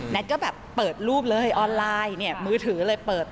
ก็แบบเปิดรูปเลยออนไลน์เนี่ยมือถือเลยเปิด